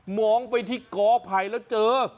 มองไปที่กอภัยแล้วเจอ